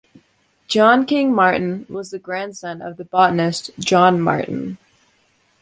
John King Martyn was the grandson of the botanist John Martyn.